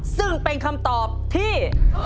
ซึ่งเป็นคำตอบที่